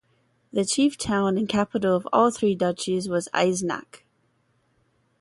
The chief town and capital of all three duchies was Eisenach.